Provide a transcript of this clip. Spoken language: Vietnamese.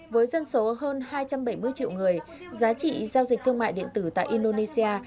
với dân số hơn hai trăm bảy mươi triệu người giá trị giao dịch thương mại điện tử tại indonesia